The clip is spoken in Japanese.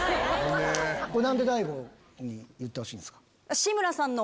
これ何で大悟に言ってほしいんですか？